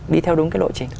đi theo đúng cái lộ trình